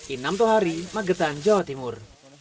inam tohari magetan jawa timur